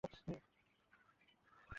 তাকে সাহায্য করার কথা দিয়েছি।